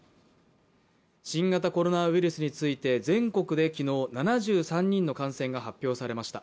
新型コロナウイルスについて全国で昨日、７３人の感染が発表されました。